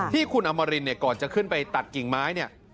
ที่คุณอัมมาลินก่อนจะขึ้นไปตัดกิ่งไม้